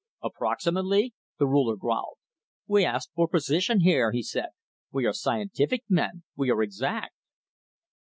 "Approximately?" the Ruler growled. "We ask for precision here," he said. "We are scientific men. We are exact."